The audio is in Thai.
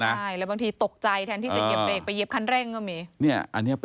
ใช่แล้วบางทีตกใจแทนที่จะเหยียบเรกไปเหยียบคันเร่งก็มี